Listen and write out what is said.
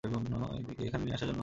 এখানে নিয়ে আসার জন্য ধন্যবাদ।